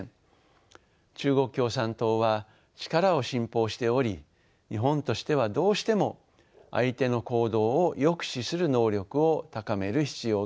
中国共産党は力を信奉しており日本としてはどうしても相手の行動を抑止する能力を高める必要があります。